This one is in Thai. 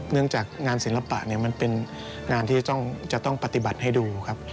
เนื่องจากงานศิลปะมันเป็นงานที่จะต้องปฏิบัติให้ดูครับ